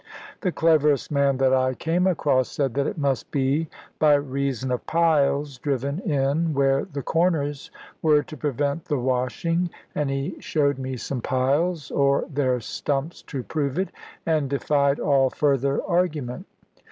The cleverest man that I came across said that it must be by reason of piles driven in where the corners were to prevent the washing, and he showed me some piles, or their stumps, to prove it, and defied all further argument.